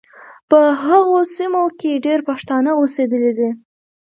په هغو سیمو کې ډېر پښتانه اوسېدلي دي.